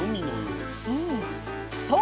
そう！